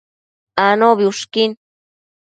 Anobi ushquin